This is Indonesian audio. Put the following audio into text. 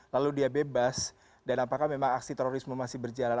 lalu dia bebas dan apakah memang aksi terorisme masih berjalan